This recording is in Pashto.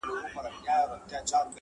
خدایه د شپېتو بړېڅو ټولي سوې کمبلي،